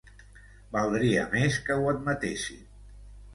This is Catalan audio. Valdria més que ho admetessin.